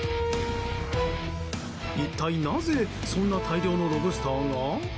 一体なぜそんな大量のロブスターが？